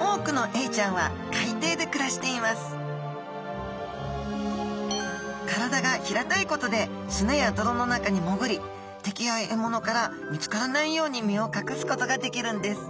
多くのエイちゃんは海底で暮らしています体が平たいことで砂や泥の中に潜り敵や獲物から見つからないように身を隠すことができるんです